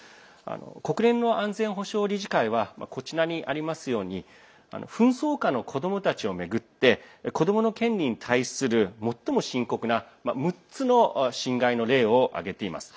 国連の安全保障理事会は紛争下の子どもたちを巡って子どもの権利に対する最も深刻な６つの侵害の例を挙げています。